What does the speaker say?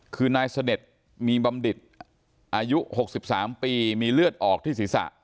คือนายเสด็จมีบำดิดอายุหกสิบสามปีมีเลือดออกที่ศีรษะ